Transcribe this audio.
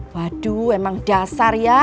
waduh emang dasar ya